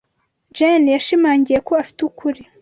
Jane yashimangiye ko afite ukuri.